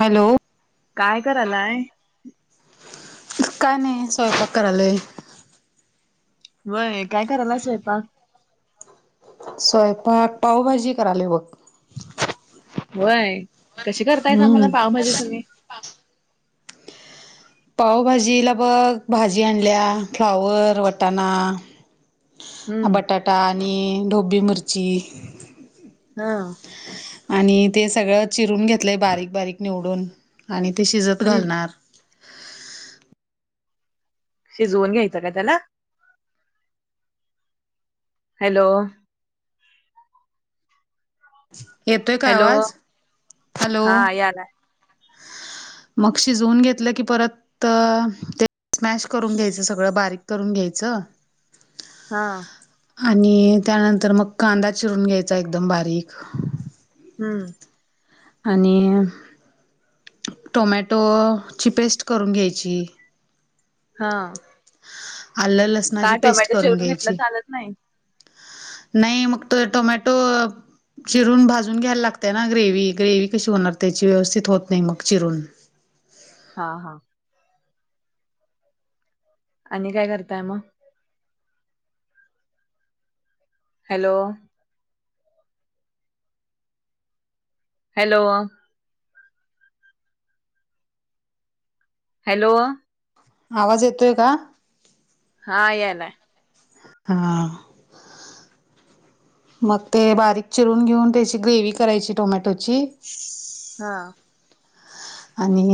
Hello. काय करायलाय? काय नाही, स्वयंपाक करालोय. होय काय करालाय स्वयंपाक? स्वयंपाक पावभाजी करालोय बघ. व्हयं कशी करताय सा, हम्म म्हण पावभाजी तुम्ही. पावभाजीला बघ भाजी आणल्या. फ्लावर, वटाणा. हम्म बटाटा आणि ढोबी मिरची हं. आणि ते सगळं चिरून घेतलंय, बारीक बारीक निवडून. आणि ते शिजत हम्म घालणार. शिजवून घ्यायचं का त्याला? हॅलो. येतोय का हॅलो आवाज हॅलो. हा यालाय मग शिजवून घेतलं की परत तर ते स्मॅश करून घ्यायचं सगळं, बारीक करून घ्यायचं. हा. आणि त्यानंतर मग, कांदा चिरून घ्यायचा एकदम बारीक. हम्म. आणि टोमॅटोची पेस्ट करून घ्यायची. हा. आलं, लसणाची का पेस्ट टोमॅटो करून चिरून घेतलं घ्यायची. चालत नाही नाही मग, तो टोमॅटो. चिरून भाजून घ्यायला लागतय ना ग्रेवी, ग्रेवी कशी होणार त्याची व्यवस्थित होत नाही मग चिरून. हा हा. आणि काय करताय मग? हॅलो, हॅलो, हॅलो, आवाज येतोय का? हा यालाय. हां.. मग ते बारीक चिरून घेऊन, त्याची ग्रेव्ही करायची टोमॅटोची. हां.. आणि,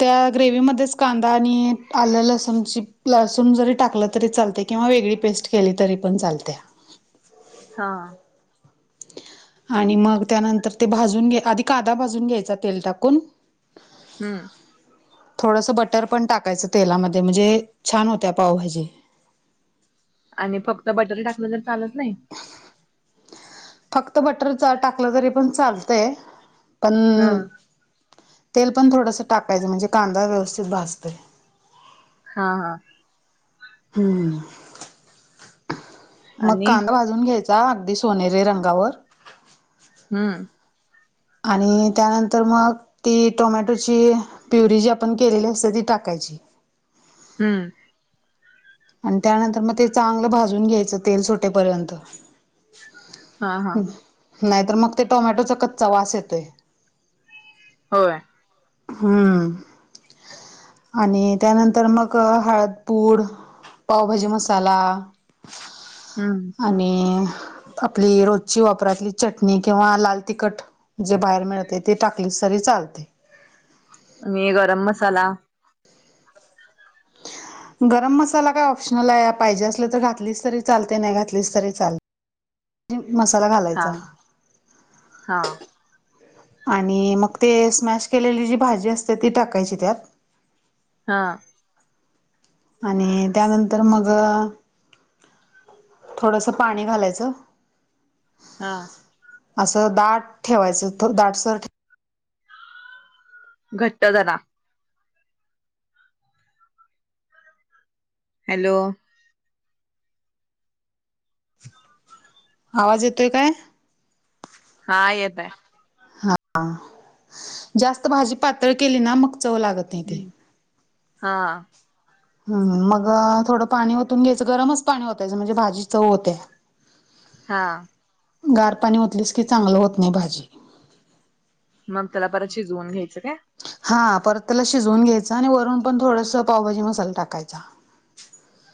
त्या ग्रेववी मध्येच कांदा आणि आलं, लसूणची लसूण जरी टाकलं तरी चालते. किंवा वेगळी पेस्ट केली तरी पण चालत्या. हां... आणि मग त्यानंतर ते भाजून घ्या, आधी कांदा भाजून घ्यायचा तेल टाकून. हम्म. थोडंसं बटर पण टाकायचं तेलामध्ये, म्हणजे छान होत्या पावभाजी. आणि फक्त बटर टाकलं, तर चालत नाही. फक्त बटर टाकलं तरी, पण चालतंय पण. हा तेल पण थोडंसं टाकायच म्हजे, कांदा व्यवस्थित भाजतोय. हां हां.. हम्म. मग आणि कांदा भाजून घ्यायचा, अगदी सोनेरी रंगावर. हम्म. आणि त्यानंतर मग, ती टोमॅटोची प्युरी जी, आपण केलेली असते ती टाकायची. हम्म. आणि त्यानंतर मग ते, चांगलं भाजून घ्यायचं तेल सुटेपर्यंत. हा हा नाही तर मग ते टोमॅटोचा कच्चा वास येतोय. होय. हम्म. आणि त्यानंतर मग हळदपूड. पावभाजी मसाला. हम्म. आणि आपली रोजची, वापरातली चटणी किंवा लाल तिखट. जे बाहेर मिळते ते, टाकलीस तरी चालते. आणि गरम मसाला. [inaudible] गरम मसाला काय ऑप्शनल आहे, पाहिजे असल तर घातलीच तरी चालते नाही घातलीच तरी चालते. मसाला हा घालायचा. हा आणि मग ते स्मॅश केलेली जी भाजी असते, ती टाकायची त्यात. हां.. आणि त्यानंतर मग. थोडंस पाणी घालायचं. आं... असं दाट ठेवायचं, दाट सर ठे घट्ट धरा. हॅलो, आवाज येतोय काय? हा येत आहे. जास्त भाजी पातळ केली ना, मग चव लागत नाही ती. हम्म हां.. हम्म मग थोडं पाणी होतून घ्यायचं गरमच पाणी ओतायचं म्हणजे भाजी चव होत्या. [inaudible] हा. गार पाणी ओतलीस की चांगलं होत नाही भाजी. मग त्याला परत शिजवून घ्यायचं काय. हा परत त्याला शिजवून घ्यायचं आणि वरून पण थोडंसं पावभाजी मसाला टाकायचा.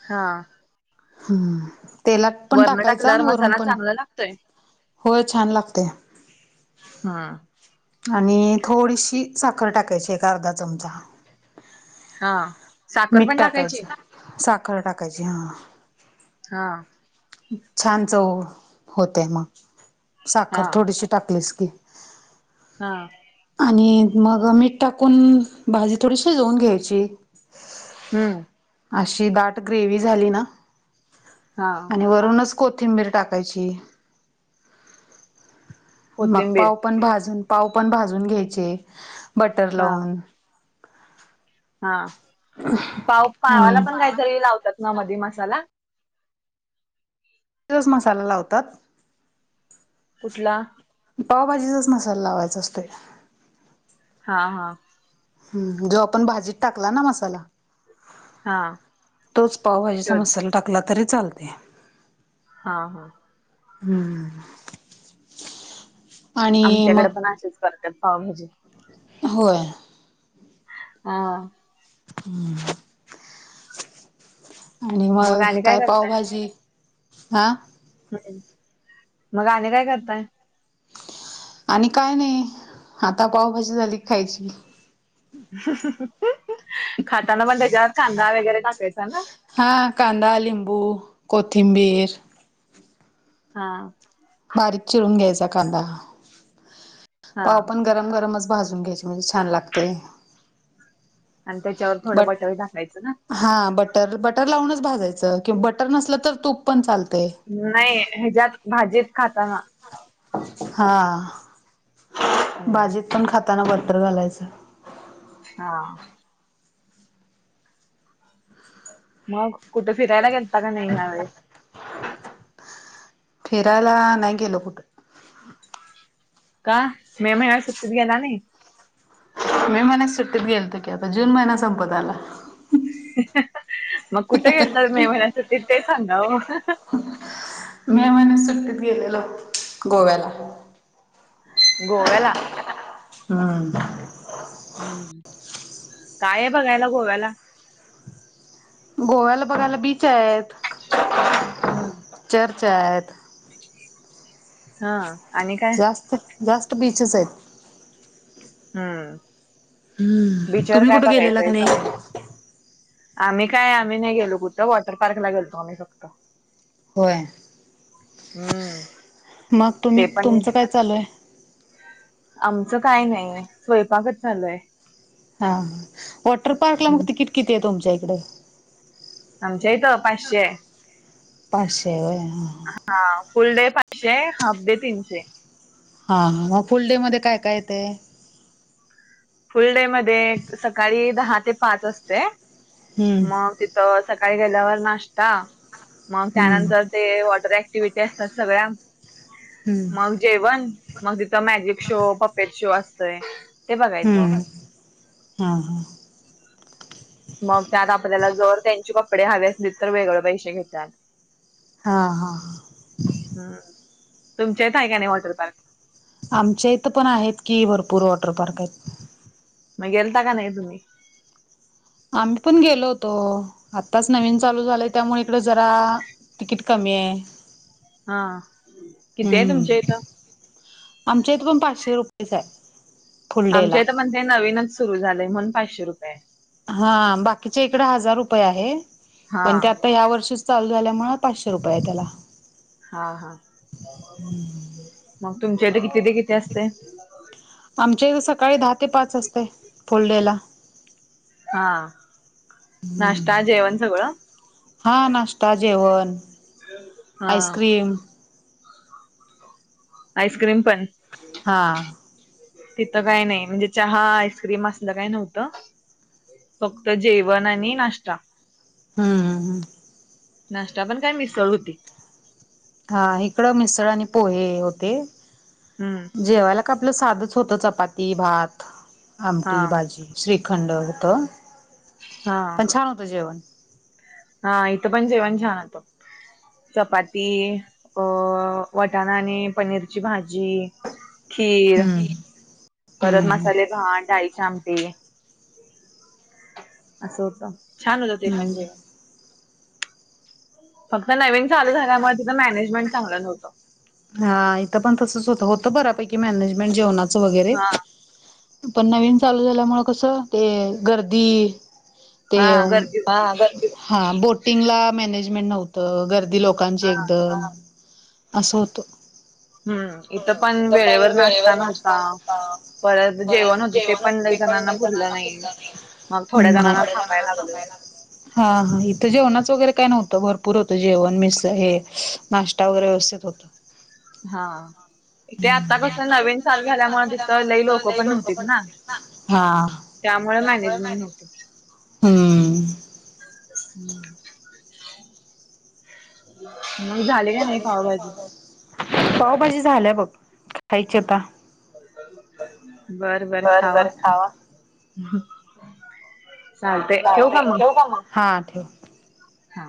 हा. हम्म तेलात पण वरण टाकायचा टाकल्यावर आणि वरून मसाला पण चांगला लागतोय होय छान लागतेय. हा. आणि थोडीशी साखर टाकायची एक अर्ध्या चमचा. हा साखर मीठ पण टाकायची? टाकायचं साखर टाकायची हा. हा. छान चव होते मग. हा साखर थोडीशी टाकलीस की. हा. आणि मग मीठ टाकून भाजी थोडी शिजवून घ्यायची. हम्म. अशी दाट ग्रेवी झाली ना. हा. आणि वरूनच कोथिंबीर टाकायची, मग कोथिंबीर पाव पण भाजून पाव पण भाजून घ्यायचे बटर हा लावून. हा. पाव-पावाला आणि पण काहीतरी लावतात ना मधी मसाला? [unintelligible] मसाला लावतात. कुठला? पावभाजीचस मसाला लावायचं असतोय. हा हा. हम्म जो आपण भाजीत टाकला ना मसाला. हा तोच पावभाजीचा तोच मसाला टाकला तरी चालतेय. हा हा. हम्म. आमच्याकडे पण असेच करतात पावभाजी. होय. हा. हम्म. आणि मग काय पावभाजी हा हम्म. मग आणि काय करताय? आणि काय नाही आता पावभाजी झाली की खायची. खाताना पण त्याच्यावर कांदा वगैरे टाकायचा ना. हा कांदा लिंबू कोथिंबीर. हा. बारीक चिरून घ्यायचा कांदा हा पाव पण गरम गरमच भाजून घ्यायची म्हणजे छान लागतय. आणि त्याच्यावर थोडं बटर टाकायचं ना. हा बटर बटर लावूनच भाजायचं किंवा बटर नसलं तर तूप पण चालतय. नाही ह्याच्यात भाजीत खाताना. हा हम्म भाजीत पण खाताना बटर घालायचं. हा. मग कुठे फिरायला गेलता का नाही यावेळे फिरायला नाही गेलो कुठ. का मे महिन्यात सुट्टीतला गेला नाही? मे महिन्यात सुट्टीत गेलतो, की आता जून महिना संपत आला. मग कुठे गेलतात मे महिन्यासाठी, ते तरी सांगा ओ. मे महिन्यात सुट्टीत गेलेलो गोव्याला. गोव्याला. हां. हम्म. काय आहे बघायला गोव्याला. गोव्याला बघायला बीच आहेत. हंम्म. चर्च आहेत. हा आणि काय. जास्त जास्त बीचच आहेत. हम्म. हम्म बीचवर तुम्ही काय कुठं गेलेला का बघायचंय? नाही? समुद्रात आम्ही काय आम्ही नाही गेलो कुठं वॉटर पार्कला गेलतो आम्ही फक्त. होय. हम्म. मग तुम्ही ते पण तुमचं काय चालू हाय? आमचं काय नाही, स्वयंपाकच चालू हाय. हा हा वॉटर पार्कला मग तिकीट किती आहे तुमच्या इकडं? आमच्या इथे पाचशे हाय. पाचशे आहे होय हा हा फुल डे पाचशे हाय, हाफ डे तीनशे. हा मग फुल डे मध्ये काय काय येतंय? फुल डे मध्ये सकाळी दहा ते पाच असतय हम्म मग. तर सकाळी गेल्यावर नाश्ता मग हम्म त्यानंतर ते वॉटर ऍक्टिव्हटी असत्यात सगळया हम्म मग. जेवण मग हिच मॅजिक शो पपेट शो असतय ते बघा हम्म. हा. हा. मग त्यात आपल्याला जर त्यांचे कपडे हवे असतील तर वेगळे पैशे घेत्यात. हा हा. हम्म तुमच्या इथं आहे का नाही वॉटर पार्क. आमच्या इथं पण आहेत की भरपूर वॉटर पार्क आहेत. म गेलता का नाही तुम्ही? आम्ही पण गेलो होतो आत्ताच नवीन चालू झाले त्यामुळे इकडे जरा तिकीट कमी आहे. हा किती हाय हम्म तुमच्या इथं? आमच्या इथ पण पाचशे रुपयेच आहे. फुल डे आमच्या ला इथ म्हण ते नवीनच सुरू झालेय म्हणून पाचशे रुपये आहे. हा बाकीच्या इकडे हजार रुपये आहे हा पण ते आता या वर्षी चालू झाल्यामुळे पाचशे रुपये आहे त्याला. हा हा मग तुमच्याडे किती ते किती असतंय? आमच्या इथ सकाळी दहा ते पाच असते फुल डे ला. हा नाश्ता जेवण सगळं. हां नाश्ता, जेवण, हा आईस्क्रीम. आईस्क्रीम पण. हा. तिथं काय नाही म्हणजे चहा आईस्क्रीम असलं काय नव्हतं. फक्त जेवण आणि नाश्ता हम्म हम्म हम्म. नाश्ता पण काय मिसळ होती. हा इकडं मिसळ आणि पोहे होते. हम्म. जेवायला का आपलं साधच होतं. चपाती, भात, हा आमटी, भाजी. श्रीखंड होतं, हा पण छान होत जेवण. हा.. इथं पण जेवण छान होत चपाती. अ वटाणा आणि पनीरची भाजी, खीर. हम्म परत हम्म मसाले भात डाळीची आमटी असं होतं. छान होत ते, पण जेवण. हम्म फक्त नवीन चालू झाल्यामुळे, तिथं मॅनेजमेंट चांगलं नव्हतं. हा इथं पण तसंच होत, होत बऱ्यापैकी मॅनेजमेंट जेवणाचं वगैरे. हा पण नवीन चालू झाल्यामुळे, कसं ते गर्दी. ते हा गर्दी हा होती गर्दी हा. बोटिंगला मॅनेजमेंट नव्हतं, गर्दी लोकांची हा एकद असं होतं. बर इथं पण वेळेवर नाश्ता नव्हता. परत जेवण होत ते, पण लैय जनाना पुरलं नाही. मग थोड्या थोडे जणांना थांबायला थांबाला लागलं. हा हा.. इथं जेवणाच वगैरे काय नव्हतं, भरपूर होतं जेवण मिसच हे. नाश्ता वगैरे व्यवस्थित होतो. हा.. ते आता कसं नवीन चालू झाल्यामुळे तिथं लई लोकं पण नव्हतीत ना. हा त्यामुळं मॅनेजमेंट नव्हतं. हम्म. हं.. मग झाली कणी पावभाजी. पावभाजी झाल्या बघ, खायची आता. बर बर खावा. चालते ठेवू चालतंय का ठेऊ कां, मग हां ठेव. हा.